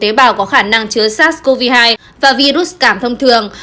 tế bào có khả năng chứa sars cov hai và virus cảm thông thường